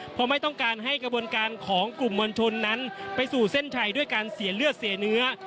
เพราะไม่ต้องการให้กระบวนการของกลุ่มมวลชนนั้นไปสู่เส้นชัยด้วยการเสียเลือดเสียเนื้อ